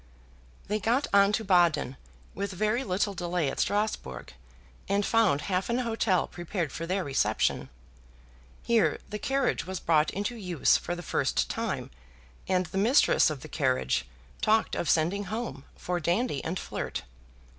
They got on to Baden, with very little delay at Strasbourg, and found half an hotel prepared for their reception. Here the carriage was brought into use for the first time, and the mistress of the carriage talked of sending home for Dandy and Flirt.